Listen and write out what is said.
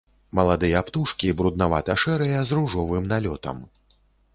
Маладыя птушкі бруднавата-шэрыя, з ружовым налётам.